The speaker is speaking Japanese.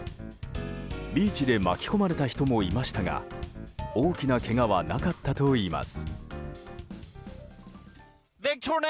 ビーチで巻き込まれた人もいましたが大きなけがはなかったといいます。